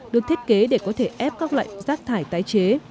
được thiết kế để có thể ép các loại rác thải tái chế